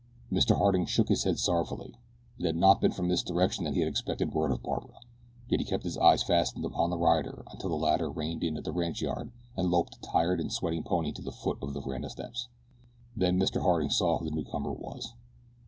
Mr. Harding shook his head sorrowfully. It had not been from this direction that he had expected word of Barbara, yet he kept his eyes fastened upon the rider until the latter reined in at the ranchyard and loped a tired and sweating pony to the foot of the veranda steps. Then Mr. Harding saw who the newcomer was.